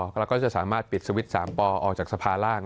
แล้วก็จะสามารถปิดสวิตช์๓ปออกจากสภาร่าง